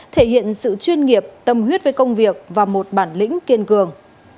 thể hiện sự chuyên nghiệp tâm huyết với công việc và một bản lĩnh kiên cường